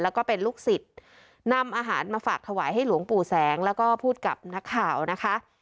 แล้วก็เป็นลูกศิษย์นำอาหารมาฝากถวายให้หลวงปู่แสงแล้วก็พูดกับนักข่าวนะคะ